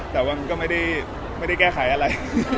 แต่ก็ไม่ได้แก้ไขอะไร